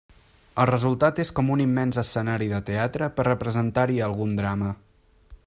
El resultat és com un immens escenari de teatre per representar-hi algun drama.